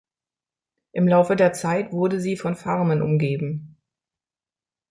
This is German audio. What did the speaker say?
Im Laufe der Zeit wurde sie von Farmen umgeben.